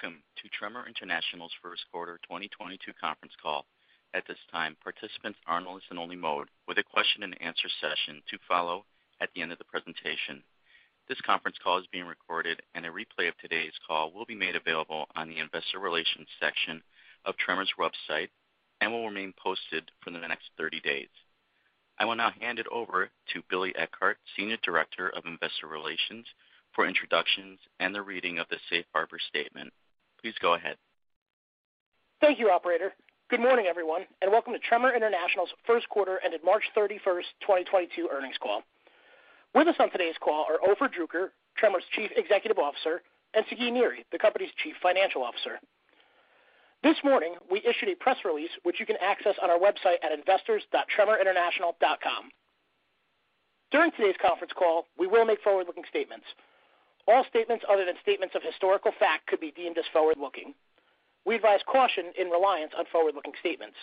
Welcome to Tremor International's Q1 2022 conference call. At this time, participants are in listen only mode with a question and answer session to follow at the end of the presentation. This conference call is being recorded and a replay of today's call will be made available on the investor relations section of Tremor's website and will remain posted for the next 30 days. I will now hand it over to Billy Eckert, Senior Director of Investor Relations, for introductions and the reading of the Safe Harbor statement. Please go ahead. Thank you, operator. Good morning, everyone, and welcome to Tremor International's Q1 ended March 31, 2022 earnings call. With us on today's call are Ofer Druker, Tremor's Chief Executive Officer, and Sagi Niri, the company's Chief Financial Officer. This morning, we issued a press release which you can access on our website at investors.tremorinternational.com. During today's conference call, we will make forward-looking statements. All statements other than statements of historical fact could be deemed as forward-looking. We advise caution in reliance on forward-looking statements.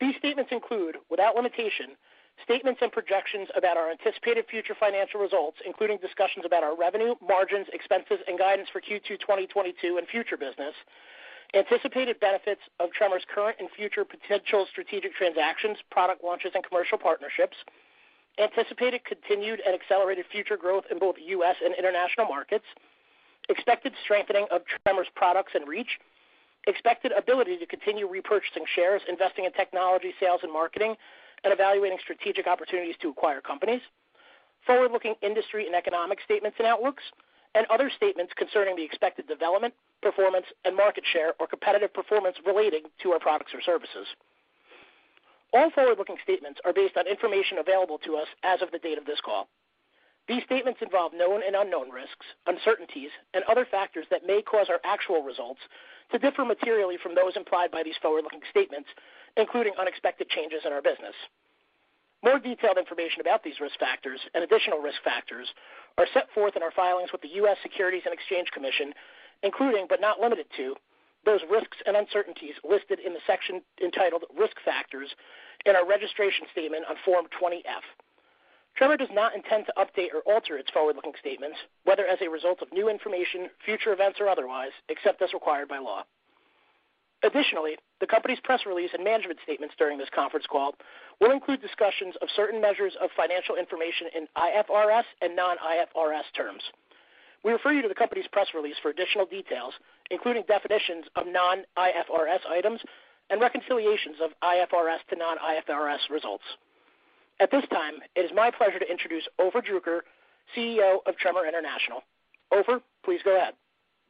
These statements include, without limitation, statements and projections about our anticipated future financial results, including discussions about our revenue, margins, expenses, and guidance for Q2 2022 and future business. Anticipated benefits of Tremor's current and future potential strategic transactions, product launches, and commercial partnerships. Anticipated continued and accelerated future growth in both U.S. and international markets. Expected strengthening of Tremor's products and reach. Expected ability to continue repurchasing shares, investing in technology, sales, and marketing, and evaluating strategic opportunities to acquire companies. Forward-looking industry and economic statements and outlooks, and other statements concerning the expected development, performance, and market share, or competitive performance relating to our products or services. All forward-looking statements are based on information available to us as of the date of this call. These statements involve known and unknown risks, uncertainties, and other factors that may cause our actual results to differ materially from those implied by these forward-looking statements, including unexpected changes in our business. More detailed information about these risk factors and additional risk factors are set forth in our filings with the U.S. Securities and Exchange Commission, including, but not limited to, those risks and uncertainties listed in the section entitled Risk Factors in our registration statement on Form 20-F. T does not intend to update or alter its forward-looking statements, whether as a result of new information, future events, or otherwise, except as required by law. Additionally, the company's press release and management statements during this conference call will include discussions of certain measures of financial information in IFRS and non-IFRS terms. We refer you to the company's press release for additional details, including definitions of non-IFRS items and reconciliations of IFRS to non-IFRS results. At this time, it is my pleasure to introduce Ofer Druker, CEO of Tremor International. Ofer, please go ahead.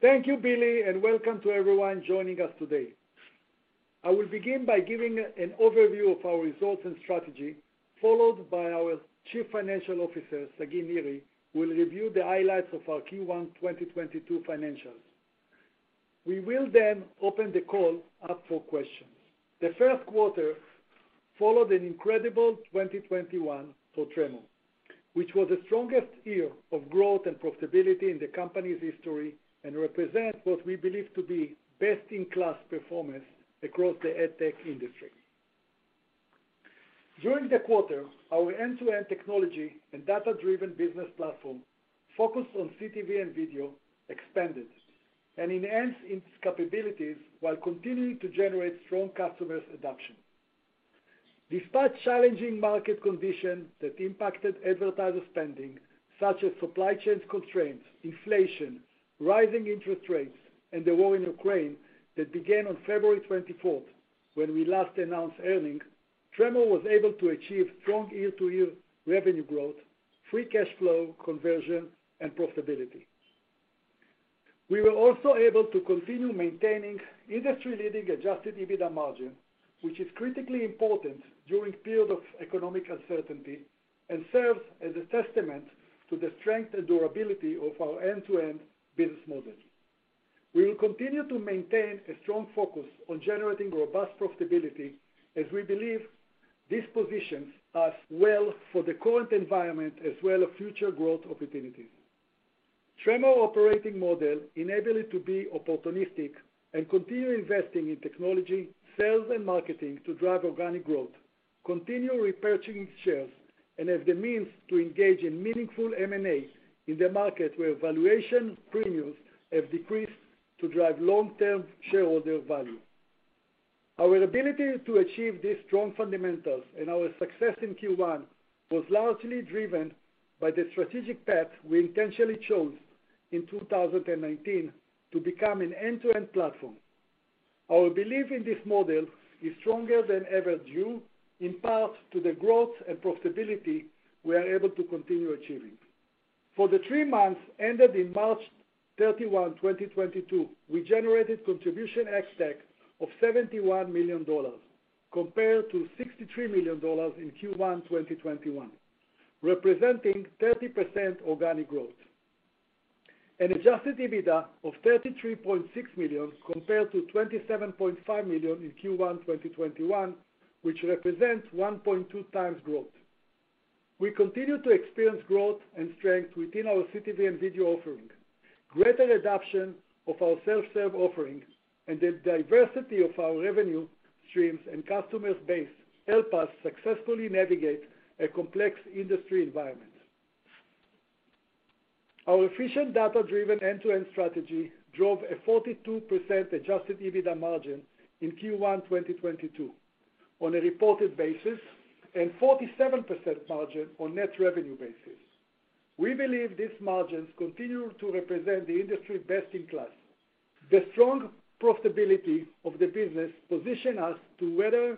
Thank you, Billy, and welcome to everyone joining us today. I will begin by giving an overview of our results and strategy, followed by our Chief Financial Officer, Sagi Niri, will review the highlights of our Q1 2022 financials. We will then open the call up for questions. The Q1 followed an incredible 2021 for Tremor, which was the strongest year of growth and profitability in the company's history and represents what we believe to be best in class performance across the AdTech industry. During the quarter, our end-to-end technology and data-driven business platform focused on CTV and video expanded and enhanced its capabilities while continuing to generate strong customers adoption. Despite challenging market conditions that impacted advertiser spending, such as supply chain constraints, inflation, rising interest rates, and the war in Ukraine that began on February 24, when we last announced earnings, Tremor was able to achieve strong year-to-year revenue growth, free cash flow conversion, and profitability. We were also able to continue maintaining industry-leading adjusted EBITDA margin, which is critically important during period of economic uncertainty and serves as a testament to the strength and durability of our end-to-end business model. We will continue to maintain a strong focus on generating robust profitability as we believe this positions us well for the current environment as well as future growth opportunities. Tremor operating model enable it to be opportunistic and continue investing in technology, sales, and marketing to drive organic growth, continue repurchasing shares, and have the means to engage in meaningful M&A in the market where valuation premiums have decreased to drive long-term shareholder value. Our ability to achieve these strong fundamentals and our success in Q1 was largely driven by the strategic path we intentionally chose in 2019 to become an end-to-end platform. Our belief in this model is stronger than ever due in part to the growth and profitability we are able to continue achieving. For the three months ended March 31, 2022, we generated contribution ex-TAC of $71 million compared to $63 million in Q1 2021, representing 30% organic growth. An adjusted EBITDA of $33.6 million compared to $27.5 million in Q1 2021, which represents 1.2 times growth. We continue to experience growth and strength within our CTV and video offering. Greater adoption of our self-serve offerings and the diversity of our revenue streams and customer base help us successfully navigate a complex industry environment. Our efficient data-driven end-to-end strategy drove a 42% adjusted EBITDA margin in Q1 2022 on a reported basis, and 47% margin on net revenue basis. We believe these margins continue to represent the industry best in class. The strong profitability of the business position us to weather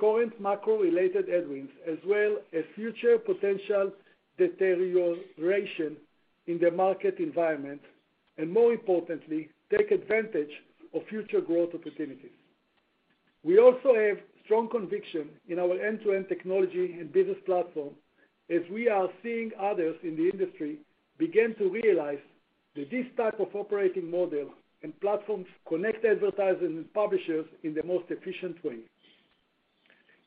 current macro-related headwinds as well as future potential deterioration in the market environment, and more importantly, take advantage of future growth opportunities. We also have strong conviction in our end-to-end technology and business platform as we are seeing others in the industry begin to realize that this type of operating model and platforms connect advertisers and publishers in the most efficient way.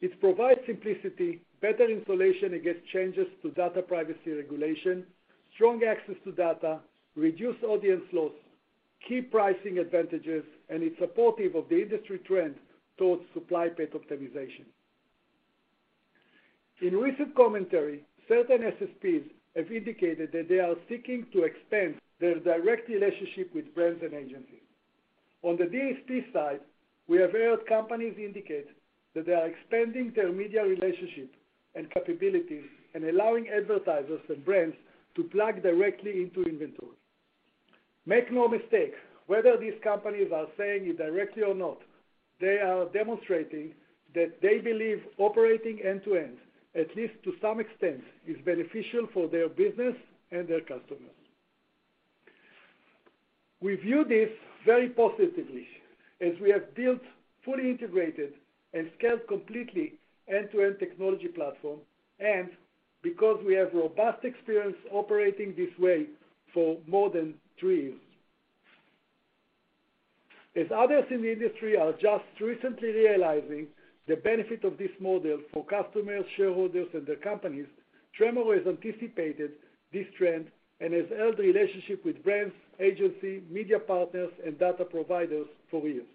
It provides simplicity, better insulation against changes to data privacy regulation, strong access to data, reduced audience loss, key pricing advantages, and is supportive of the industry trend towards supply path optimization. In recent commentary, certain SSPs have indicated that they are seeking to expand their direct relationship with brands and agencies. On the DSP side, we have heard companies indicate that they are expanding their media relationship and capabilities and allowing advertisers and brands to plug directly into inventory. Make no mistake, whether these companies are saying it directly or not, they are demonstrating that they believe operating end-to-end, at least to some extent, is beneficial for their business and their customers. We view this very positively as we have built fully integrated and scaled completely end-to-end technology platform, and because we have robust experience operating this way for more than three years. As others in the industry are just recently realizing the benefit of this model for customers, shareholders and their companies, Nexxen has anticipated this trend and has held relationship with brands, agency, media partners, and data providers for years.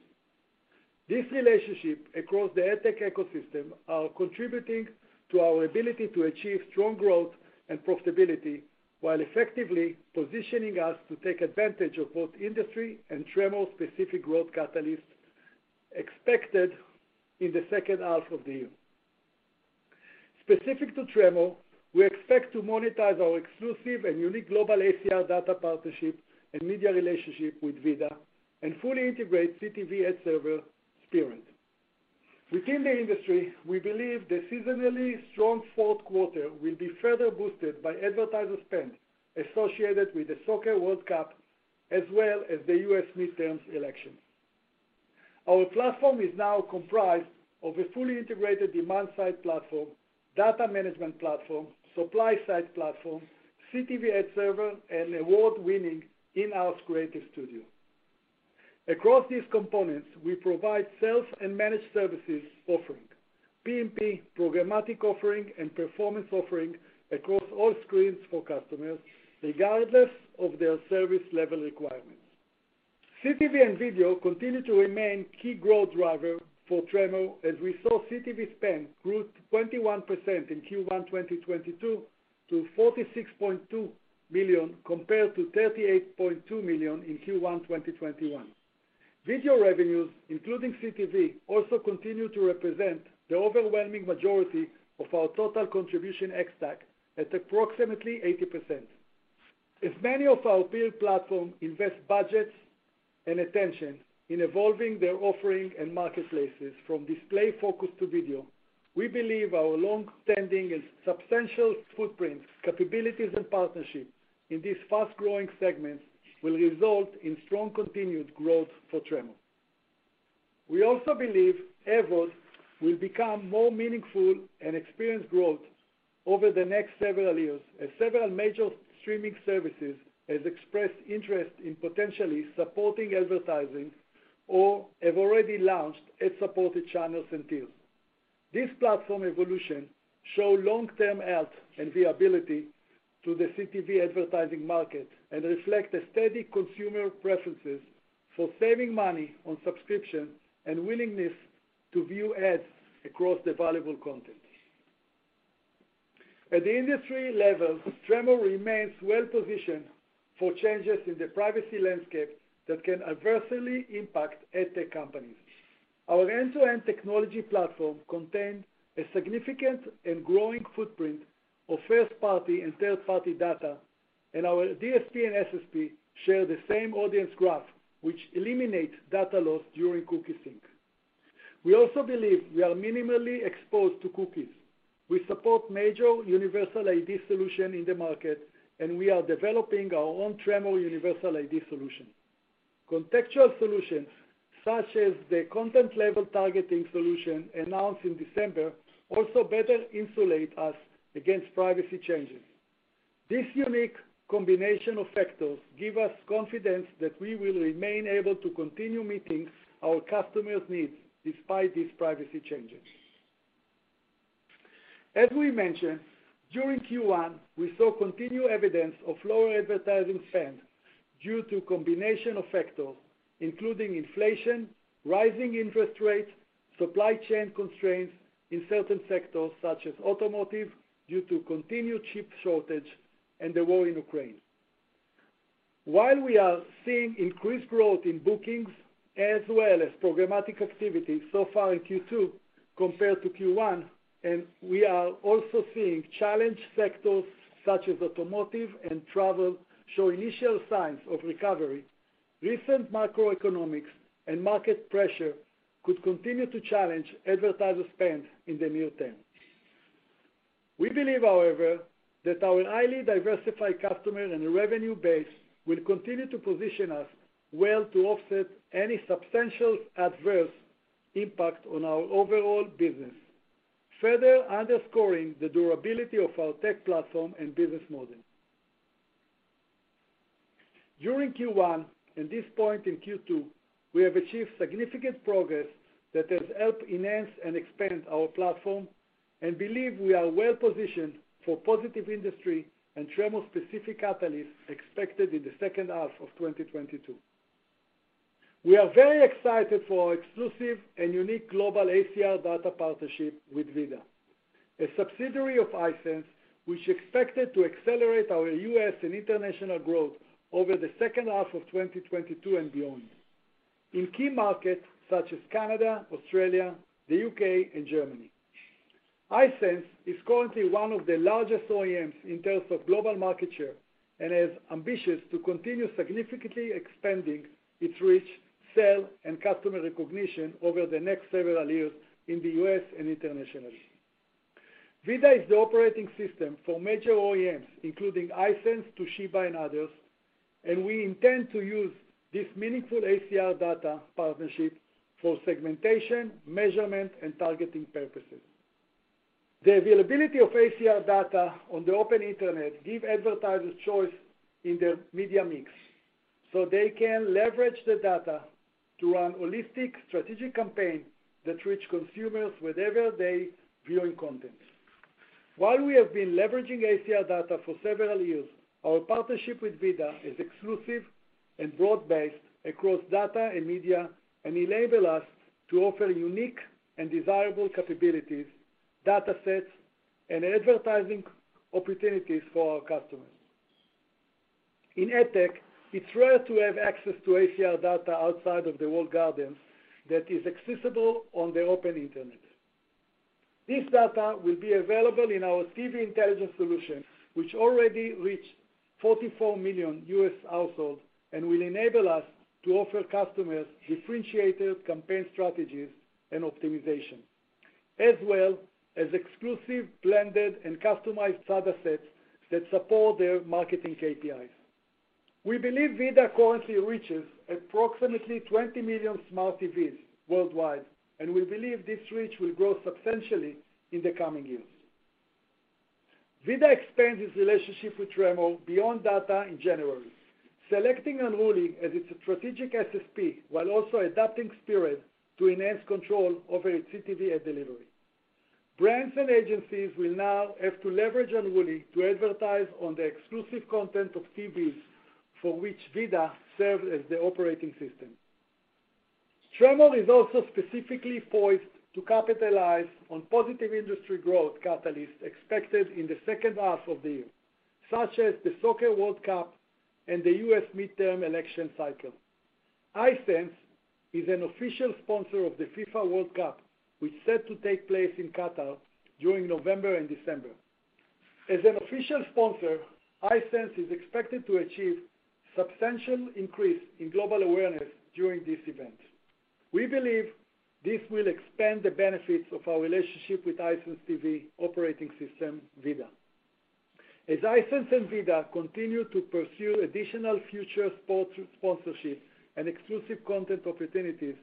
These relationships across the AdTech ecosystem are contributing to our ability to achieve strong growth and profitability while effectively positioning us to take advantage of both industry and Nexxen-specific growth catalysts expected in the H2 of the year. Specific to Tremor, we expect to monetize our exclusive and unique global ACR data partnership and media relationship with VIDAA and fully integrate CTV ad server Spearad. Within the industry, we believe the seasonally strong Q4 will be further boosted by advertiser spend associated with the Soccer World Cup, as well as the U.S. midterm election. Our platform is now comprised of a fully integrated demand-side platform, data management platform, supply-side platform, CTV ad server, and award-winning in-house creative studio. Across these components, we provide sales and managed services offering, PMP programmatic offering, and performance offering across all screens for customers regardless of their service level requirements. CTV and video continue to remain key growth driver for Tremor, as we saw CTV spend grew 21% in Q1 2022 to $46.2 million, compared to $38.2 million in Q1 2021. Video revenues, including CTV, also continue to represent the overwhelming majority of our total contribution ex-TAC at approximately 80%. Many of our peer platforms invest budgets and attention in evolving their offerings and marketplaces from display focus to video. We believe our long-standing and substantial footprint, capabilities and partnerships in these fast-growing segments will result in strong continued growth for Tremor. We also believe AVOD will become more meaningful and experience growth over the next several years as several major streaming services have expressed interest in potentially supporting advertising or have already launched ad-supported channels and deals. This platform evolution shows long-term health and viability to the CTV advertising market and reflects a steady consumer preference for saving money on subscriptions and willingness to view ads across the valuable content. At the industry level, Tremor remains well positioned for changes in the privacy landscape that can adversely impact AdTech companies. Our end-to-end technology platform contain a significant and growing footprint of first-party and third-party data, and our DSP and SSP share the same audience graph, which eliminates data loss during cookie sync. We also believe we are minimally exposed to cookies. We support major universal ID solution in the market, and we are developing our own Tremor universal ID solution. Contextual solutions such as the content level targeting solution announced in December also better insulate us against privacy changes. This unique combination of factors give us confidence that we will remain able to continue meeting our customers' needs despite these privacy changes. As we mentioned during Q1, we saw continued evidence of lower advertising spend. Due to combination of factors, including inflation, rising interest rates, supply chain constraints in certain sectors such as automotive due to continued chip shortage and the war in Ukraine. While we are seeing increased growth in bookings as well as programmatic activity so far in Q2 compared to Q1, and we are also seeing challenged sectors such as automotive and travel show initial signs of recovery, recent macroeconomic and market pressure could continue to challenge advertiser spend in the near term. We believe, however, that our highly diversified customer and revenue base will continue to position us well to offset any substantial adverse impact on our overall business, further underscoring the durability of our tech platform and business model. During Q1 and this point in Q2, we have achieved significant progress that has helped enhance and expand our platform and believe we are well-positioned for positive industry and Tremor-specific catalysts expected in the H2 of 2022. We are very excited for our exclusive and unique global ACR data partnership with VIDAA, a subsidiary of Hisense, which is expected to accelerate our U.S. and international growth over the H2 of 2022 and beyond in key markets such as Canada, Australia, the U.K., and Germany. Hisense is currently one of the largest OEMs in terms of global market share and is ambitious to continue significantly expanding its reach, sales, and customer recognition over the next several years in the U.S. and internationally. VIDAA is the operating system for major OEMs including Hisense, Toshiba, and others, and we intend to use this meaningful ACR data partnership for segmentation, measurement, and targeting purposes. The availability of ACR data on the open internet give advertisers choice in their media mix so they can leverage the data to run holistic strategic campaign that reach consumers wherever they viewing content. While we have been leveraging ACR data for several years, our partnership with VIDAA is exclusive and broad-based across data and media, and enable us to offer unique and desirable capabilities, datasets, and advertising opportunities for our customers. In AdTech, it's rare to have access to ACR data outside of the walled gardens that is accessible on the open internet. This data will be available in our TV Intelligence solution, which already reaches 44 million U.S. households and will enable us to offer customers differentiated campaign strategies and optimization, as well as exclusive, blended, and customized data sets that support their marketing KPIs. We believe VIDAA currently reaches approximately 20 million smart TVs worldwide, and we believe this reach will grow substantially in the coming years. VIDAA expands its relationship with Tremor beyond data in January, selecting Unruly as its strategic SSP while also adapting Spearad to enhance control over its CTV ad delivery. Brands and agencies will now have to leverage Unruly to advertise on the exclusive content of TVs for which VIDAA serves as the operating system. Tremor is also specifically poised to capitalize on positive industry growth catalysts expected in the H2 of the year, such as the Soccer World Cup and the U.S. midterm election cycle. Hisense is an official sponsor of the FIFA World Cup, which is set to take place in Qatar during November and December. As an official sponsor, Hisense is expected to achieve substantial increase in global awareness during this event. We believe this will expand the benefits of our relationship with Hisense TV operating system, VIDAA. As Hisense and VIDAA continue to pursue additional future sponsorships and exclusive content opportunities,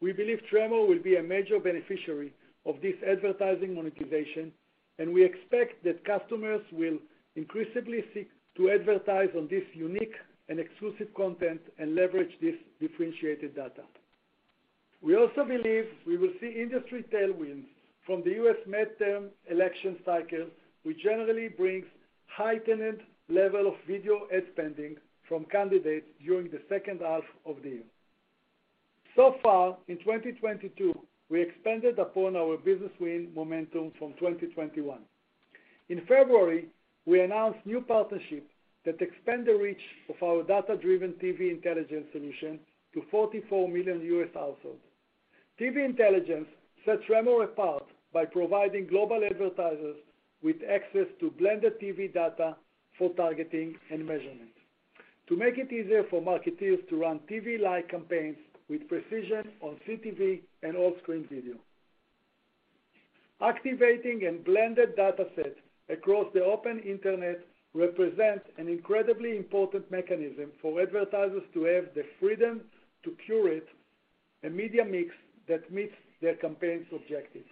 we believe Tremor will be a major beneficiary of this advertising monetization, and we expect that customers will increasingly seek to advertise on this unique and exclusive content and leverage this differentiated data. We also believe we will see industry tailwinds from the U.S. midterm election cycle, which generally brings heightened level of video ad spending from candidates during the H2 of the year. So far in 2022, we expanded upon our business win momentum from 2021. In February, we announced new partnerships that expand the reach of our data-driven TV Intelligence solution to 44 million U.S. households. TV Intelligence sets Tremor apart by providing global advertisers with access to blended TV data for targeting and measurement to make it easier for marketers to run TV-like campaigns with precision on CTV and all-screen video. Activating a blended data set across the open internet represents an incredibly important mechanism for advertisers to have the freedom to curate a media mix that meets their campaign's objectives.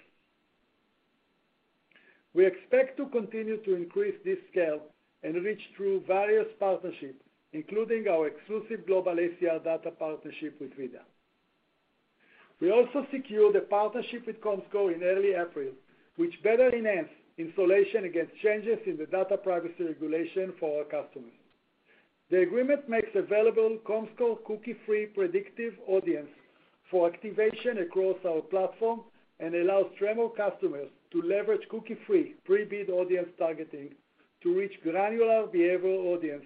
We expect to continue to increase this scale and reach through various partnerships, including our exclusive global ACR data partnership with VIDAA. We also secured a partnership with Comscore in early April, which will better enhance insulation against changes in the data privacy regulation for our customers. The agreement makes available Comscore cookie-free predictive audience for activation across our platform and allows Tremor customers to leverage cookie-free pre-bid audience targeting to reach granular behavioral audience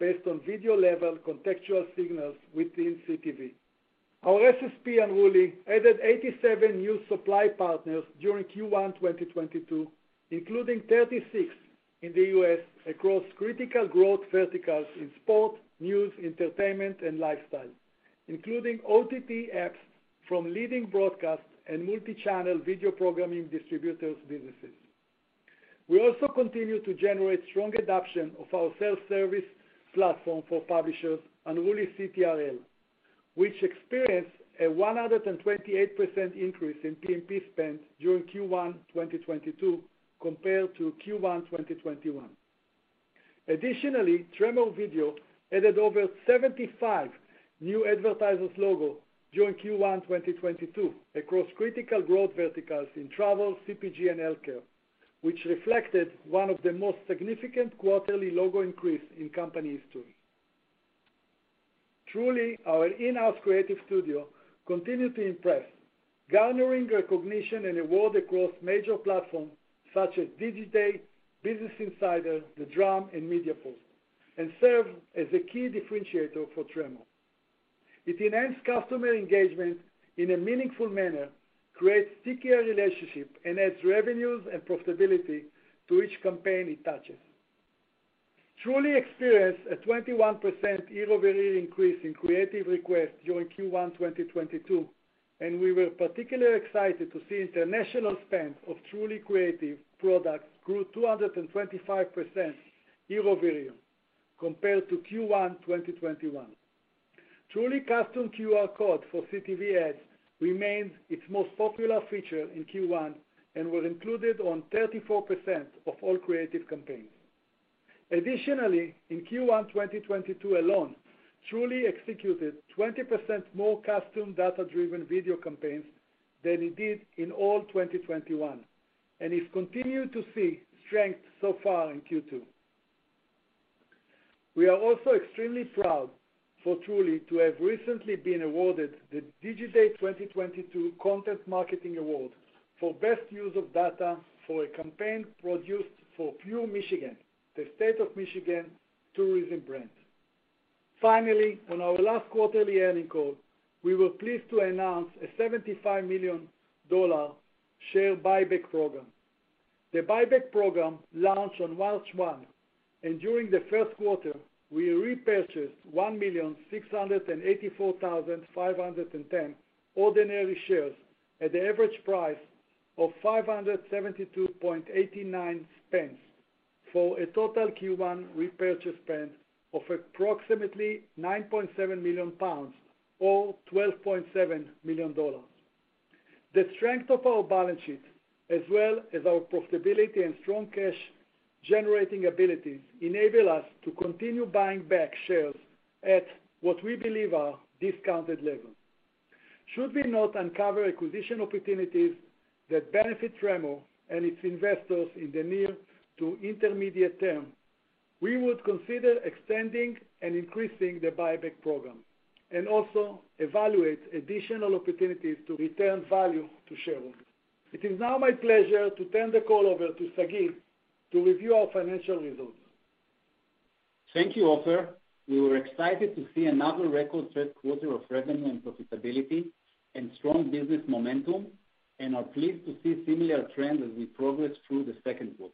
based on video-level contextual signals within CTV. Our SSP, Unruly, added 87 new supply partners during Q1 2022, including 36 in the U.S. across critical growth verticals in sport, news, entertainment, and lifestyle, including OTT apps from leading broadcast and multi-channel video programming distributors businesses. We also continue to generate strong adoption of our self-service platform for publishers, Unruly CTRL, which experienced a 128% increase in PMP spend during Q1 2022 compared to Q1 2021. Additionally, Tremor Video added over 75 new advertiser logos during Q1 2022 across critical growth verticals in travel, CPG and healthcare, which reflected one of the most significant quarterly logos increase in company history. Tr.ly, our in-house creative studio continued to impress, garnering recognition and awards across major platforms such as Digiday, Business Insider, The Drum and MediaPost, and served as a key differentiator for Tremor. It enhanced customer engagement in a meaningful manner, creates stickier relationships, and adds revenues and profitability to each campaign it touches. Tr.ly experienced a 21% year-over-year increase in creative requests during Q1 2022, and we were particularly excited to see international spend of Tr.ly creative products grew 225% year-over-year, compared to Q1 2021. Tr.ly custom QR code for CTV ads remains its most popular feature in Q1 and was included on 34% of all creative campaigns. Additionally, in Q1 2022 alone, Tr.ly executed 20% more custom data-driven video campaigns than it did in all 2021, and it's continued to see strength so far in Q2. We are also extremely proud for Tr.ly to have recently been awarded the Digiday 2022 Content Marketing Award for best use of data for a campaign produced for Pure Michigan, the State of Michigan tourism brand. Finally, on our last quarterly earnings call, we were pleased to announce a $75 million share buyback program. The buyback program launched on March 1, and during the Q1, we repurchased 1,684,510 ordinary shares at the average price of 572.89 pence, for a total Q1 repurchase spend of approximately 9.7 million pounds or $12.7 million. The strength of our balance sheet, as well as our profitability and strong cash generating abilities, enable us to continue buying back shares at what we believe are discounted levels. Should we not uncover acquisition opportunities that benefit Nexxen and its investors in the near to intermediate term, we would consider extending and increasing the buyback program and also evaluate additional opportunities to return value to shareholders. It is now my pleasure to turn the call over to Sagi to review our financial results. Thank you, Ofer. We were excited to see another record set quarter of revenue and profitability and strong business momentum, and are pleased to see similar trends as we progress through the Q2.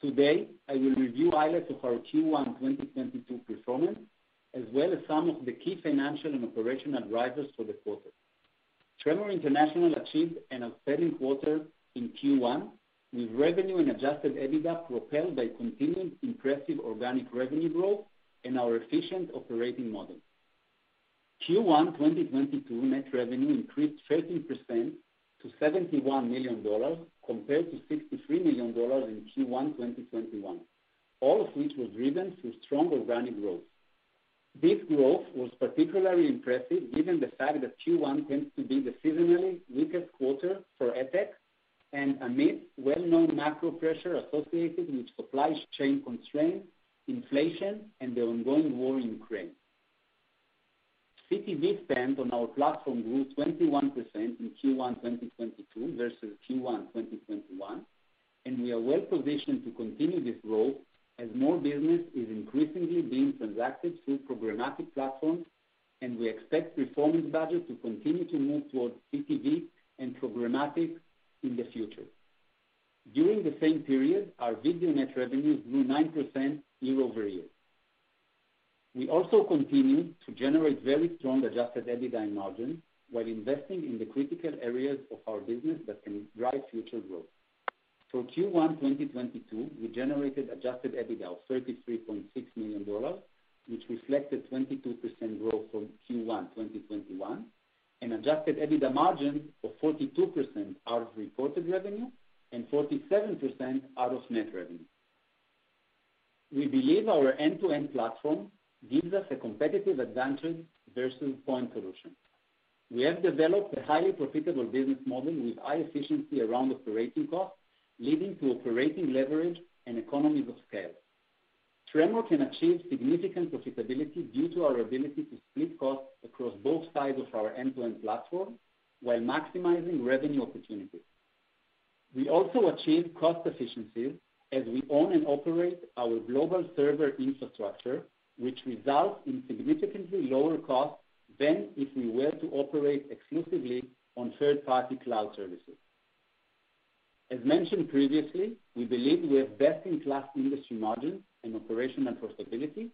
Today, I will review highlights of our Q1 2022 performance, as well as some of the key financial and operational drivers for the quarter. Tremor International achieved an outstanding quarter in Q1, with revenue and Adjusted EBITDA propelled by continued impressive organic revenue growth and our efficient operating model. Q1 2022 net revenue increased 13% to $71 million, compared to $63 million in Q1 2021, all of which was driven through strong organic growth. This growth was particularly impressive given the fact that Q1 tends to be the seasonally weakest quarter for AdTech and amid well-known macro pressure associated with supply chain constraints, inflation and the ongoing war in Ukraine. CTV spend on our platform grew 21% in Q1 2022 versus Q1 2021, and we are well positioned to continue this growth as more business is increasingly being transacted through programmatic platforms, and we expect performance budget to continue to move towards CTV and programmatic in the future. During the same period, our video net revenues grew 9% year-over-year. We also continued to generate very strong Adjusted EBITDA and margin while investing in the critical areas of our business that can drive future growth. For Q1 2022, we generated Adjusted EBITDA of $33.6 million, which reflected 22% growth from Q1 2021, and Adjusted EBITDA margin of 42% out of reported revenue and 47% out of net revenue. We believe our end-to-end platform gives us a competitive advantage versus point solutions. We have developed a highly profitable business model with high efficiency around operating costs, leading to operating leverage and economies of scale. Tremor can achieve significant profitability due to our ability to split costs across both sides of our end-to-end platform while maximizing revenue opportunities. We also achieve cost efficiencies as we own and operate our global server infrastructure, which results in significantly lower costs than if we were to operate exclusively on third-party cloud services. As mentioned previously, we believe we have best-in-class industry margins and operational profitability,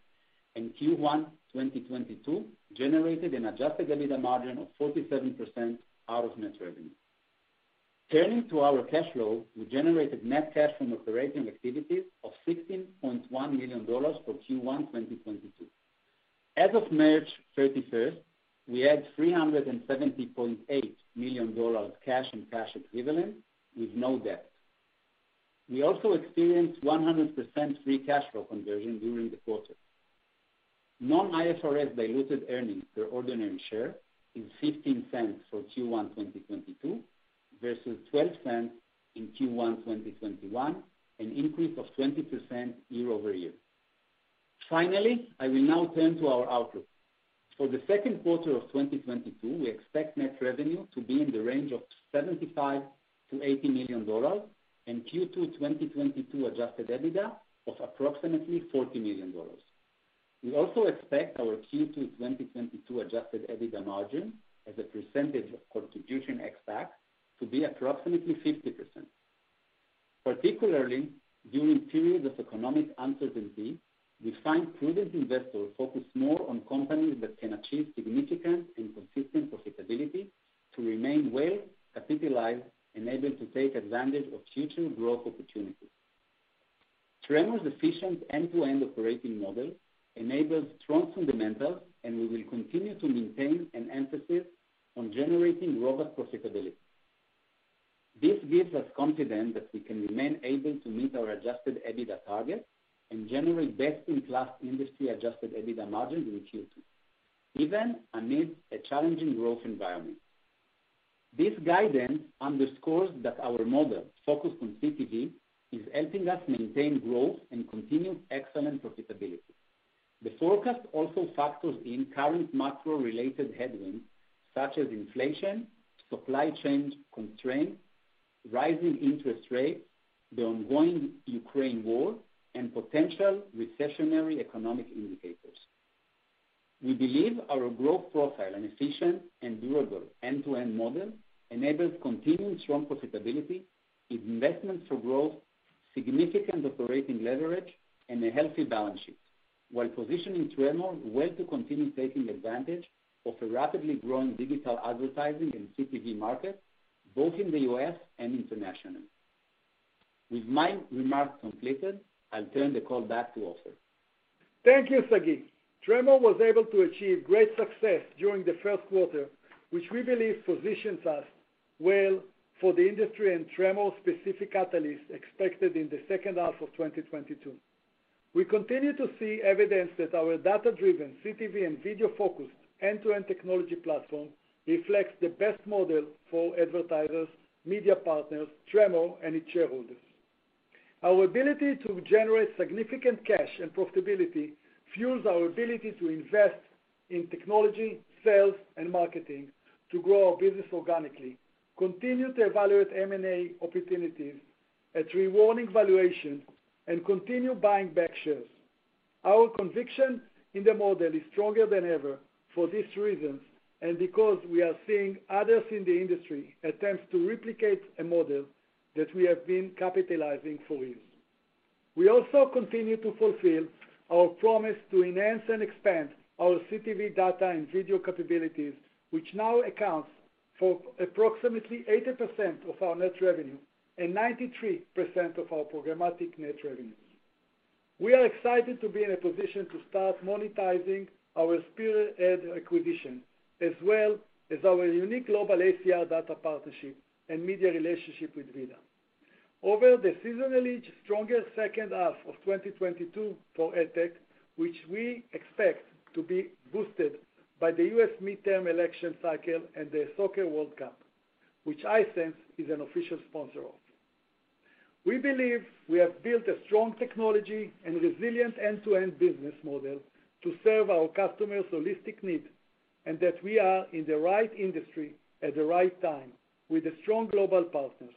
and Q1 2022 generated an adjusted EBITDA margin of 47% out of net revenue. Turning to our cash flow, we generated net cash from operating activities of $16.1 million for Q1 2022. As of March thirty-first, we had $370.8 million cash and cash equivalents with no debt. We also experienced 100% free cash flow conversion during the quarter. non-IFRS diluted earnings per ordinary share is $0.15 for Q1 2022 versus $0.12 in Q1 2022, an increase of 20% year-over-year. Finally, I will now turn to our outlook. For Q2 2022, we expect net revenue to be in the range of $75 million-$80 million and Q2 2022 Adjusted EBITDA of approximately $40 million. We also expect our Q2 2022 Adjusted EBITDA margin as a percentage of contribution ex-TAC to be approximately 50%. Particularly during periods of economic uncertainty, we find prudent investors focus more on companies that can achieve significant and consistent profitability to remain well-capitalized and able to take advantage of future growth opportunities. Nexxen's efficient end-to-end operating model enables strong fundamentals, and we will continue to maintain an emphasis on generating robust profitability. This gives us confidence that we can remain able to meet our Adjusted EBITDA targets and generate best-in-class industry Adjusted EBITDA margins in Q2, even amid a challenging growth environment. This guidance underscores that our model focused on CTV is helping us maintain growth and continued excellent profitability. The forecast also factors in current macro-related headwinds such as inflation, supply chain constraints, rising interest rates, the ongoing Ukraine war, and potential recessionary economic indicators. We believe our growth profile and efficient and durable end-to-end model enables continued strong profitability, investments for growth, significant operating leverage, and a healthy balance sheet, while positioning Nexxen well to continue taking advantage of a rapidly growing digital advertising and CTV market, both in the U.S. and internationally. With my remarks completed, I'll turn the call back to Ofer. Thank you, Sagi. Tremor was able to achieve great success during the Q1 which we believe positions us well for the industry and Tremor-specific catalysts expected in the H2 of 2022. We continue to see evidence that our data-driven CTV and video-focused end-to-end technology platform reflects the best model for advertisers, media partners, Tremor and its shareholders. Our ability to generate significant cash and profitability fuels our ability to invest in technology, sales, and marketing to grow our business organically, continue to evaluate M&A opportunities at rewarding valuations, and continue buying back shares. Our conviction in the model is stronger than ever for these reasons, and because we are seeing others in the industry attempt to replicate a model that we have been capitalizing for years. We also continue to fulfill our promise to enhance and expand our CTV data and video capabilities, which now accounts for approximately 80% of our net revenue and 93% of our programmatic net revenues. We are excited to be in a position to start monetizing our Spearad acquisition, as well as our unique global ACR data partnership and media relationship with VIDAA. Over the seasonally stronger H2 of 2022 for AdTech, which we expect to be boosted by the U.S. midterm election cycle and the Soccer World Cup, which Hisense is an official sponsor of. We believe we have built a strong technology and resilient end-to-end business model to serve our customers' holistic needs and that we are in the right industry at the right time with strong global partners.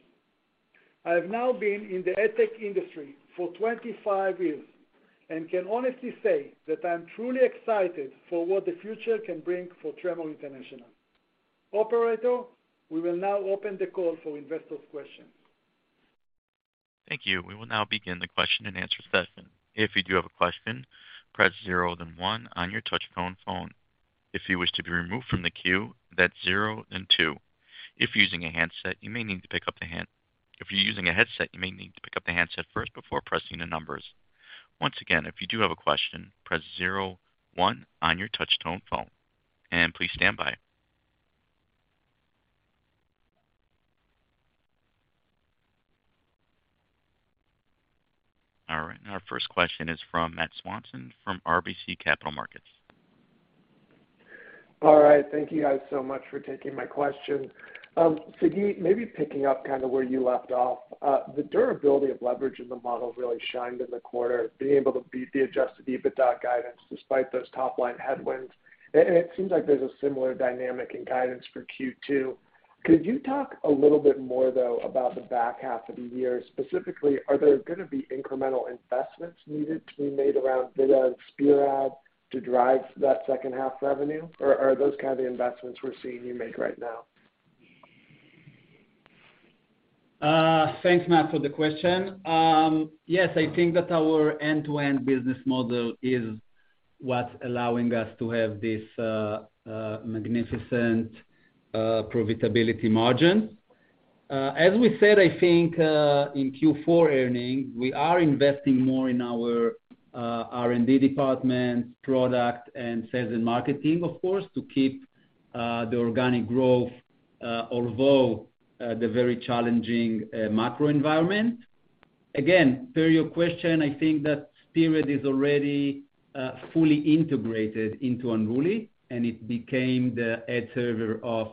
I have now been in the AdTech industry for 25 years and can honestly say that I am truly excited for what the future can bring for Nexxen International. Operator, we will now open the call for investors' questions. Thank you. We will now begin the question and answer session. If you do have a question, press 0 then 1 on your touch tone phone. If you wish to be removed from the queue, that's 0 then 2. If using a handset, you may need to pick up the handset. If you're using a headset, you may need to pick up the handset first before pressing the numbers. Once again, if you do have a question, press 0 1 on your touch tone phone, and please stand by. All right, our first question is from Matt Swanson from RBC Capital Markets. All right, thank you guys so much for taking my question. Sagi, maybe picking up kind of where you left off. The durability of leverage in the model really shined in the quarter, being able to beat the Adjusted EBITDA guidance despite those top-line headwinds. And it seems like there's a similar dynamic in guidance for Q2. Could you talk a little bit more, though, about the back half of the year? Specifically, are there gonna be incremental investments needed to be made around VIDAA and Spearad to drive that H2 revenue, or are those kind of the investments we're seeing you make right now? Thanks, Matt, for the question. Yes, I think that our end-to-end business model is what's allowing us to have this magnificent profitability margin. As we said, I think, in Q4 earnings, we are investing more in our R&D department, product, and sales and marketing, of course, to keep the organic growth although the very challenging macro environment. Again, per your question, I think that Spearad is already fully integrated into Unruly, and it became the ad server of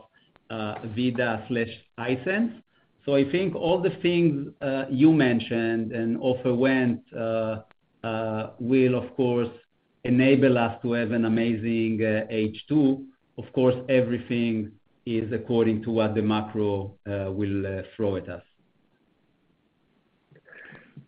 VIDAA/Hisense. I think all the things you mentioned and will of course enable us to have an amazing H2. Of course, everything is according to what the macro will throw at us.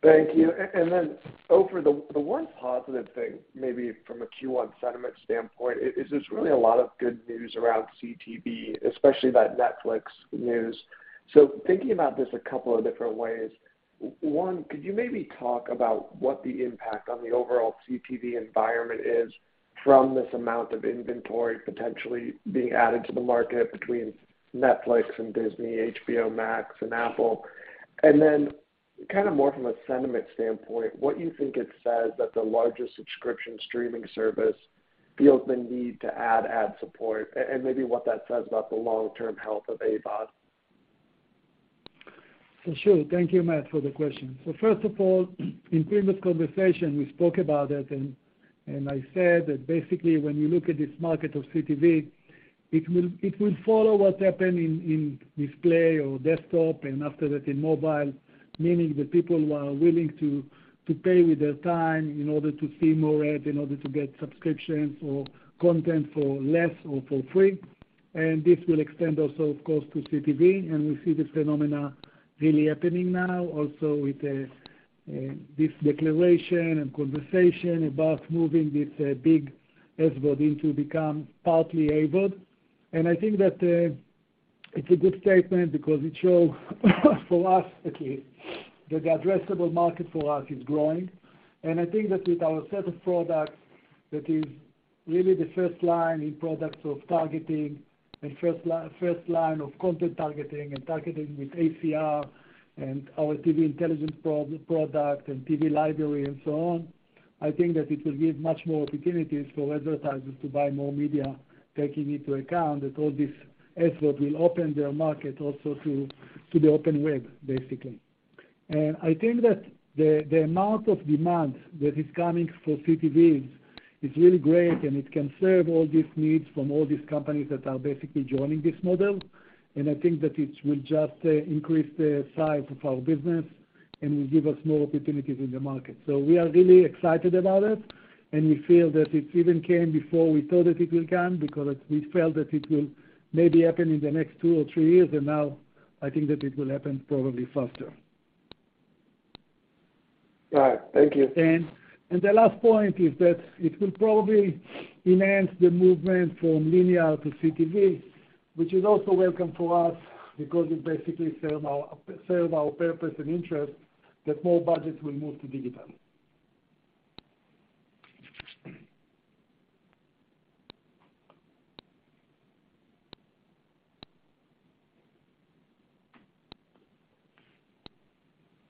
Thank you. Then, Ofer, the one positive thing maybe from a Q1 sentiment standpoint is there's really a lot of good news around CTV, especially that Netflix news. Thinking about this a couple of different ways, one, could you maybe talk about what the impact on the overall CTV environment is from this amount of inventory potentially being added to the market between Netflix and Disney, HBO Max and Apple? Then kind of more from a sentiment standpoint, what you think it says that the largest subscription streaming service feels the need to add ad support and maybe what that says about the long-term health of AVOD? For sure. Thank you, Matt, for the question. First of all, in previous conversation, we spoke about it and I said that basically when you look at this market of CTV, it will follow what happened in display or desktop, and after that in mobile, meaning the people who are willing to pay with their time in order to see more ads, in order to get subscriptions or content for less or for free. This will extend also, of course, to CTV, and we see this phenomenon really happening now also with this declaration and conversation about moving this big SVOD to become partly AVOD. I think that it's a good statement because it shows for us, at least, that the addressable market for us is growing. I think that with our set of products, that is really the first line in products of targeting and first line of content targeting and targeting with ACR and our TV Intelligence product and TV Intelligence and so on, I think that it will give much more opportunities for advertisers to buy more media, taking into account that all this effort will open their market also to the open web, basically. I think that the amount of demand that is coming for CTV is really great, and it can serve all these needs from all these companies that are basically joining this model. I think that it will just increase the size of our business and will give us more opportunities in the market. We are really excited about it, and we feel that it even came before we thought that it will come because we felt that it will maybe happen in the next two or three years, and now I think that it will happen probably faster. All right. Thank you. The last point is that it will probably enhance the movement from linear to CTV, which is also welcome for us because it basically serve our purpose and interest that more budgets will move to digital.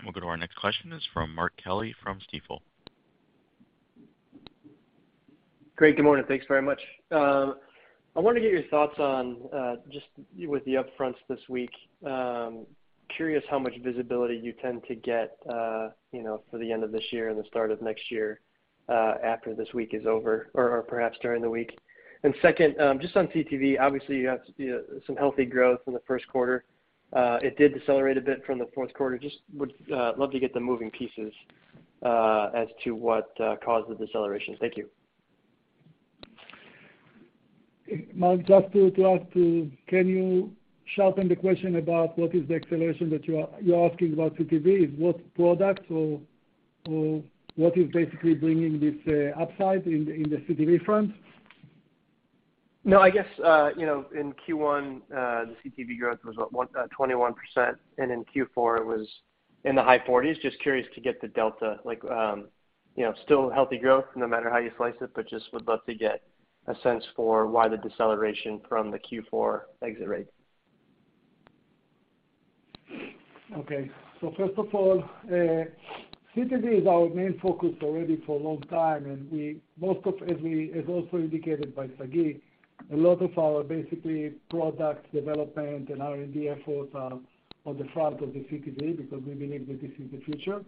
We'll go to our next question is from Mark Kelley from Stifel. Great. Good morning. Thanks very much. I wanted to get your thoughts on, just with the upfronts this week, curious how much visibility you tend to get for the end of this year and the start of next year, after this week is over or perhaps during the week. Second, just on CTV, obviously you have some healthy growth in the Q1. It did decelerate a bit from the Q4. Just would love to get the moving pieces, as to what caused the deceleration. Thank you. Mark, just to ask, can you sharpen the question about what is the acceleration that you're asking about CTV? What products or what is basically bringing this upside in the CTV front? No, I guess in Q1, the CTV growth was, what? 21%, and in Q4, it was in the high 40s%. Just curious to get the delta. Like still healthy growth no matter how you slice it, but just would love to get a sense for why the deceleration from the Q4 exit rate. Okay. First of all, CTV is our main focus already for a long time, as also indicated by Sagi. A lot of our basically product development and R&D efforts are on the front of the CTV because we believe that this is the future,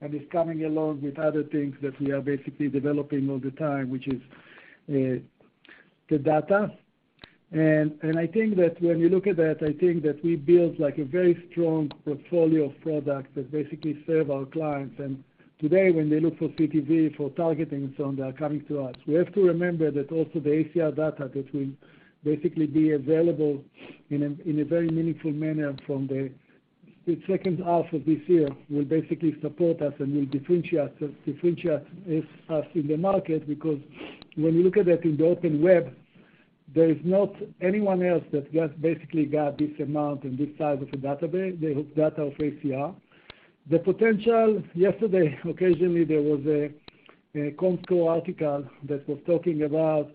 and it's coming along with other things that we are basically developing all the time, which is the data. I think that when you look at that, I think that we build like a very strong portfolio of products that basically serve our clients. Today, when they look for CTV for targeting and so on, they are coming to us. We have to remember that also the ACR data that will basically be available in a very meaningful manner from the H2 of this year will basically support us and will differentiate us in the market. Because when you look at that in the open web, there is not anyone else that has basically got this amount and this size of a database, the data of ACR. Yesterday, there was a Comscore article that was talking about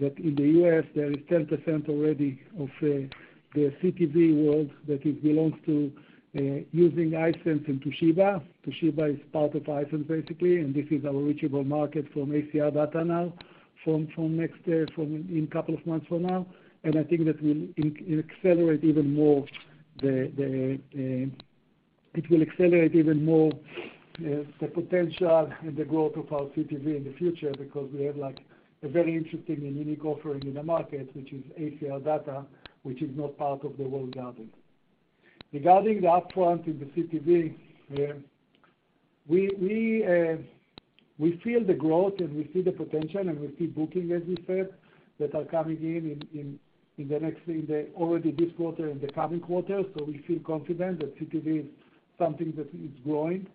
that in the U.S., there is 10% already of the CTV world that it belongs to using Hisense and Toshiba. Toshiba is part of Hisense, basically, and this is our reachable market from ACR data now from in a couple of months from now. I think that will accelerate even more the potential and the growth of our CTV in the future because we have like a very interesting and unique offering in the market, which is ACR data, which is not part of the world data. Regarding the upfront in the CTV, we feel the growth and we see the potential and we see booking, as we said, that are coming in already this quarter and the coming quarters. We feel confident that CTV is something that is growing.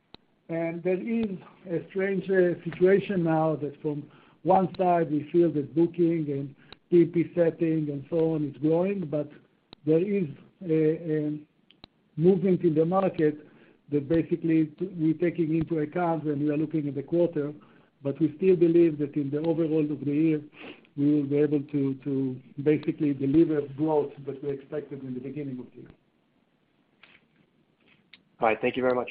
There is a strange situation now that from one side we feel that booking and TP setting and so on is growing. There is a movement in the market that basically we're taking into account when we are looking at the quarter, but we still believe that in the overall of the year, we will be able to basically deliver growth that we expected in the beginning of the year. All right. Thank you very much.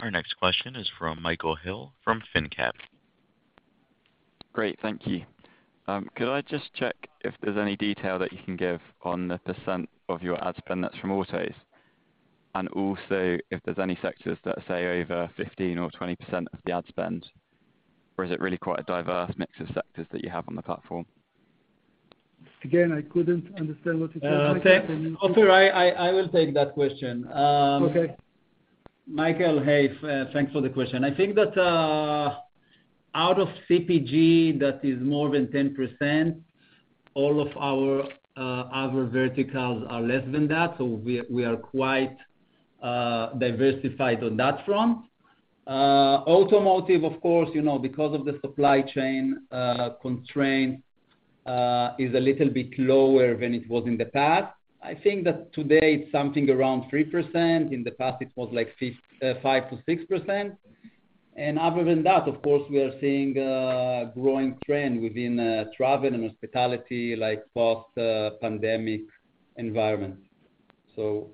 Our next question is from Michael Hill from finnCap. Great. Thank you. Could I just check if there's any detail that you can give on the % of your ad spend that's from autos? And also if there's any sectors that are, say, over 15 or 20% of the ad spend, or is it really quite a diverse mix of sectors that you have on the platform? Again, I couldn't understand what you said, Michael. Can you- Ofer, I will take that question. Okay. Michael, hey, thanks for the question. I think that out of CPG, that is more than 10%. All of our other verticals are less than that, so we are quite diversified on that front. Automotive, of course because of the supply chain constraint, is a little bit lower than it was in the past. I think that today it's something around 3%. In the past, it was like 5%-6%. Other than that, of course, we are seeing a growing trend within travel and hospitality, like post-pandemic environment.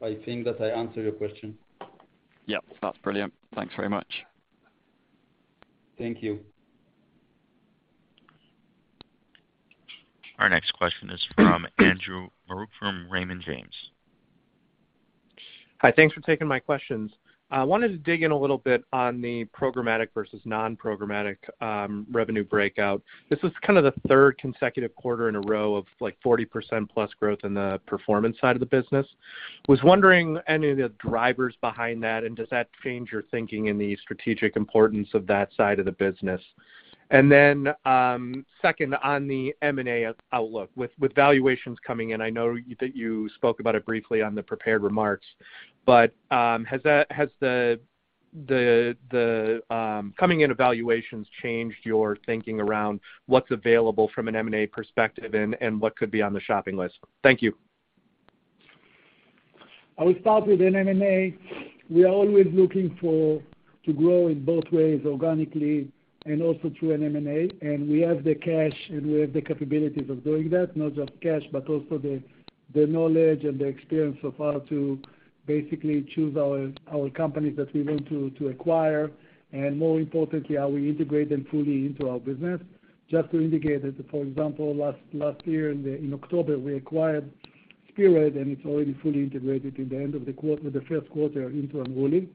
I think that I answered your question. Yep, that's brilliant. Thanks very much. Thank you. Our next question is from Andrew Marok from Raymond James. Hi. Thanks for taking my questions. I wanted to dig in a little bit on the programmatic versus non-programmatic revenue breakout. This is kind of the third consecutive quarter in a row of like 40%+ growth in the performance side of the business. Was wondering any of the drivers behind that, and does that change your thinking in the strategic importance of that side of the business? Then, second on the M&A outlook. With valuations coming in, I know that you spoke about it briefly on the prepared remarks, but has the coming in valuations changed your thinking around what's available from an M&A perspective and what could be on the shopping list? Thank you. I will start with an M&A. We are always looking for to grow in both ways organically and also through an M&A. We have the cash and we have the capabilities of doing that. Not just cash, but also the knowledge and the experience of how to basically choose our companies that we want to acquire, and more importantly, how we integrate them fully into our business. Just to indicate that, for example, last year in October, we acquired Spearad, and it's already fully integrated in the end of the Q1 into Unruly.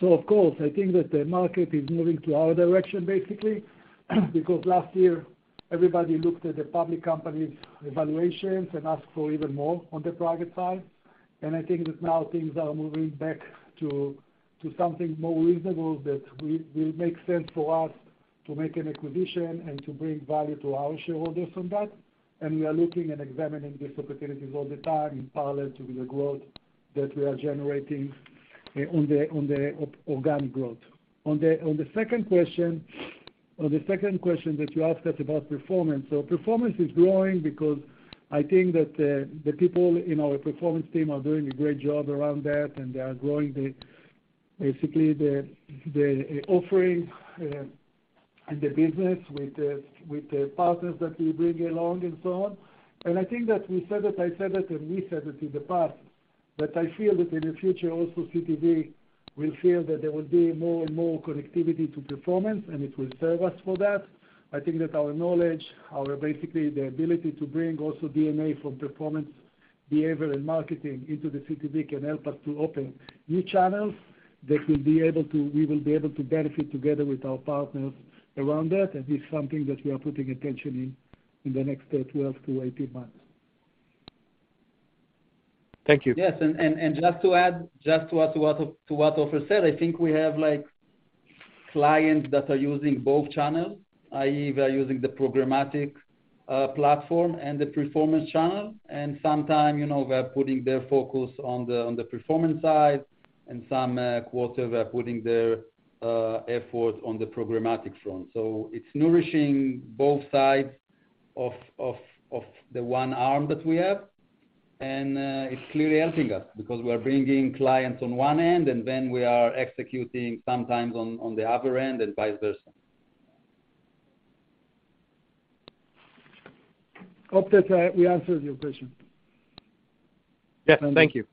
Of course, I think that the market is moving to our direction basically, because last year everybody looked at the public company's valuations and asked for even more on the private side. I think that now things are moving back to something more reasonable that we will make sense for us to make an acquisition and to bring value to our shareholders from that. We are looking and examining these opportunities all the time in parallel to the growth that we are generating on the organic growth. On the second question that you asked us about performance. Performance is growing because I think that the people in our performance team are doing a great job around that, and they are growing basically the offering and the business with the partners that we bring along and so on. I think that we said that, I said that, and we said it in the past. I feel that in the future also CTV will feel that there will be more and more connectivity to performance, and it will serve us for that. I think that our knowledge, our basically the ability to bring also DNA from performance behavior and marketing into the CTV can help us to open new channels that we will be able to benefit together with our partners around that. This is something that we are putting attention in the next 12-18 months. Thank you. Yes. Just to add to what Ofer said, I think we have like clients that are using both channels, i.e., they are using the programmatic platform and the performance channel, and sometimes they are putting their focus on the performance side and some quarter they're putting their effort on the programmatic front. It's nourishing both sides of the one arm that we have, and it's clearly helping us because we are bringing clients on one end and then we are executing sometimes on the other end and vice versa. Hope that we answered your question. Yes, thank you.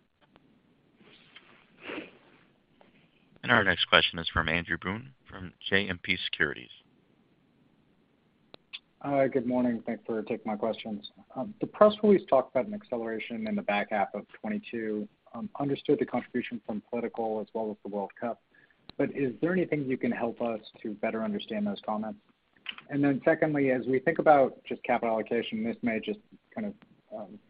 Our next question is from Andrew Boone, from JMP Securities. Hi. Good morning. Thanks for taking my questions. The press release talked about an acceleration in the back half of 2022. Understood the contribution from political as well as the World Cup. Is there anything you can help us to better understand those comments? Then secondly, as we think about just capital allocation, this may just kind of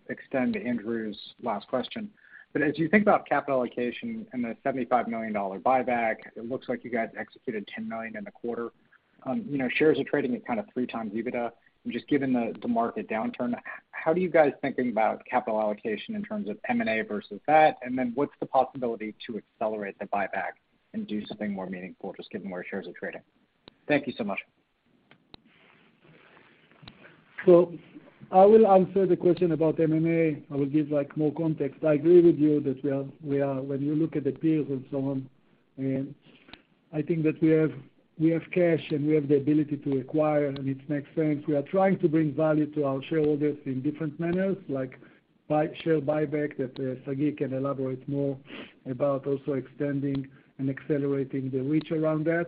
extend Andrew's last question. As you think about capital allocation and the $75 million buyback, it looks like you guys executed $10 million in the quarter. Shares are trading at kind of 3x EBITDA. Just given the market downturn, how do you guys thinking about capital allocation in terms of M&A versus that? Then what's the possibility to accelerate the buyback and do something more meaningful just given where shares are trading? Thank you so much. I will answer the question about M&A. I will give like more context. I agree with you that we are when you look at the peers and so on, and I think that we have cash and we have the ability to acquire and it makes sense. We are trying to bring value to our shareholders in different manners like share buyback that Sagi can elaborate more about also extending and accelerating the reach around that.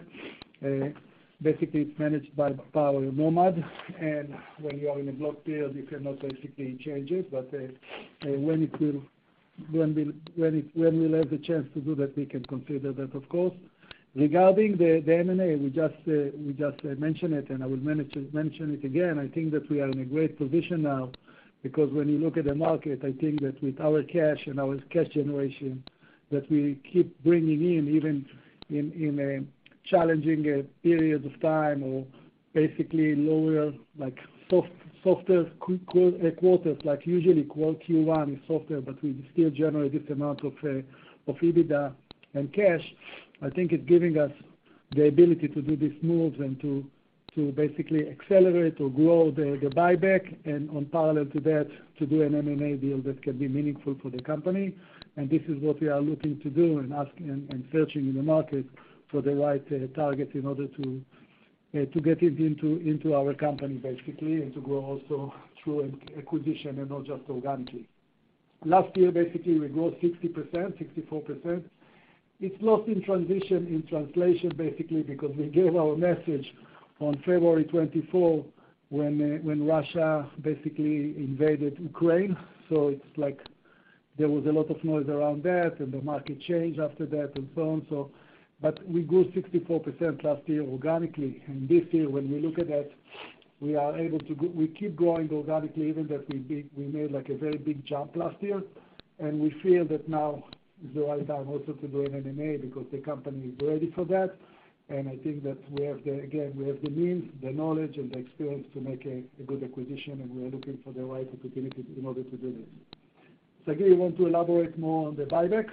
Basically it's managed by Peel Hunt and when you are in a blackout period you cannot basically change it. When we'll have the chance to do that, we can consider that of course. Regarding the M&A, we just mentioned it and I will manage to mention it again. I think that we are in a great position now because when you look at the market, I think that with our cash and our cash generation that we keep bringing in even in a challenging period of time or basically lower like softer quarters, like usually Q1 is softer, but we still generate this amount of EBITDA and cash. I think it's giving us the ability to do these moves and to basically accelerate or grow the buyback and in parallel to that, to do an M&A deal that can be meaningful for the company. This is what we are looking to do and searching in the market for the right target in order to get it into our company basically and to grow also through acquisition and not just organically. Last year, basically we grew 60%, 64%. It's lost in transition, in translation basically because we gave our message on February 24 when Russia basically invaded Ukraine. It's like there was a lot of noise around that and the market changed after that and so on. We grew 64% last year organically, and this year when we look at that, we are able to keep growing organically even that we made like a very big jump last year and we feel that now is the right time also to do an M&A because the company is ready for that. I think that we have the, again, we have the means, the knowledge and the experience to make a good acquisition and we are looking for the right opportunity in order to do this. Sagi, you want to elaborate more on the buyback?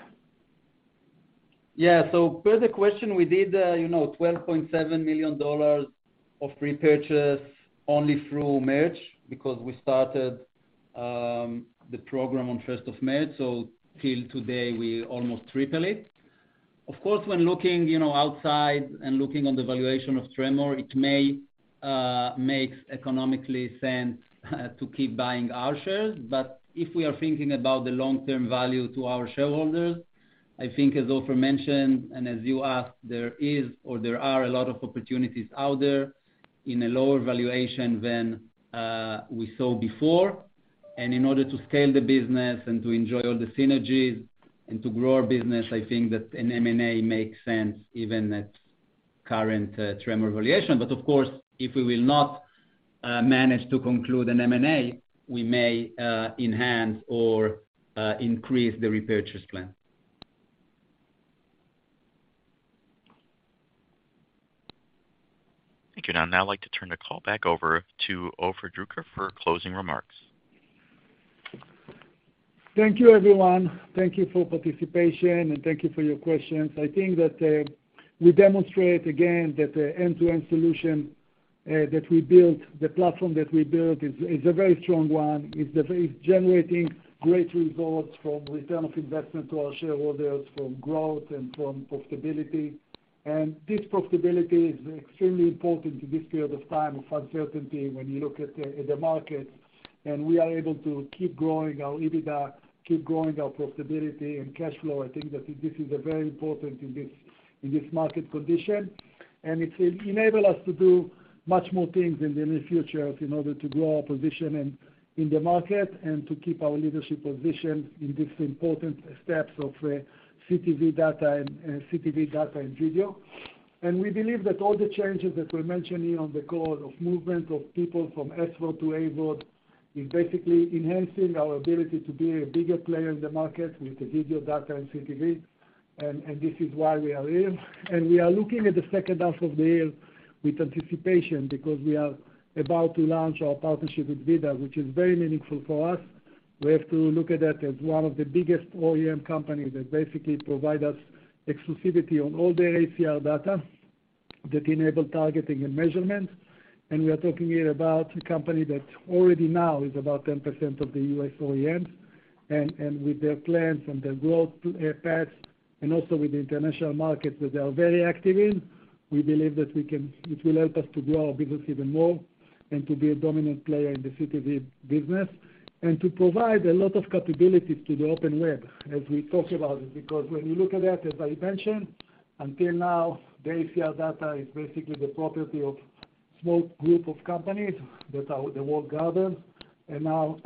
Yeah. Per the question we did $12.7 million of repurchase only through March because we started the program on first of March. Till today we almost triple it. Of course, when looking outside and looking on the valuation of Tremor, it may make economically sense to keep buying our shares. If we are thinking about the long-term value to our shareholders, I think as Ofer mentioned, and as you asked, there is or there are a lot of opportunities out there in a lower valuation than we saw before. In order to scale the business and to enjoy all the synergies and to grow our business, I think that an M&A makes sense even at current Tremor valuation. Of course, if we will not manage to conclude an M&A, we may enhance or increase the repurchase plan. Thank you. Now I'd like to turn the call back over to Ofer Druker for closing remarks. Thank you everyone. Thank you for participation, and thank you for your questions. I think that we demonstrate again that the end-to-end solution that we built, the platform that we built is a very strong one, generating great results from return on investment to our shareholders from growth and from profitability. This profitability is extremely important to this period of time of uncertainty when you look at the market. We are able to keep growing our EBITDA, keep growing our profitability and cash flow. I think that this is very important in this market condition, and it will enable us to do much more things in the near future in order to grow our position in the market and to keep our leadership position in this important steps of CTV data and video. We believe that all the changes that we're mentioning on the call of movement of people from SVOD to AVOD is basically enhancing our ability to be a bigger player in the market with the video data and CTV. This is why we are here. We are looking at the H2 of the year with anticipation because we are about to launch our partnership with VIDAA, which is very meaningful for us. We have to look at that as one of the biggest OEM companies that basically provide us exclusivity on all their ACR data that enable targeting and measurement. We are talking here about a company that already now is about 10% of the U.S. OEM. With their plans and their growth paths, and also with the international markets that they are very active in, we believe that it will help us to grow our business even more and to be a dominant player in the CTV business and to provide a lot of capabilities to the open web as we talk about it. Because when you look at that, as I mentioned, until now, the ACR data is basically the property of small group of companies that are the walled gardens. Now,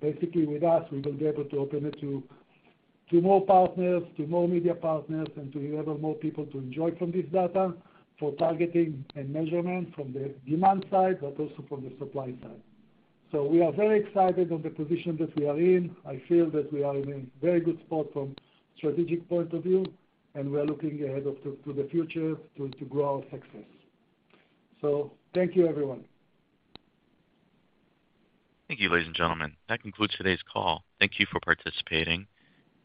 basically with us, we will be able to open it to more partners, to more media partners, and to enable more people to enjoy from this data for targeting and measurement from the demand side, but also from the supply side. We are very excited on the position that we are in. I feel that we are in a very good spot from strategic point of view, and we are looking ahead to the future to grow our success. Thank you, everyone. Thank you, ladies and gentlemen. That concludes today's call. Thank you for participating,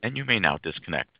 and you may now disconnect.